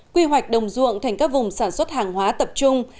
quy hoạch đồng ruộng thành các vùng sản xuất hàng hóa tập trung